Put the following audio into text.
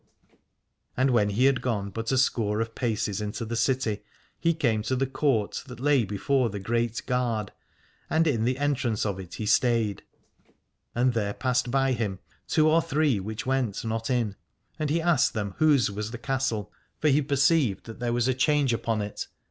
And when he had gone but a score of paces into the city, he came to the court that lay before the great Gard, and in the entrance of it he stayed. And there passed 258 Alad ore by him two or three which went not in : and he asked them whose was the castle, for he perceived that there was a change upon it.